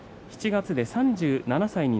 ７月で３７歳。